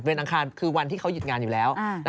อังคารคือวันที่เขาหยุดงานอยู่แล้ว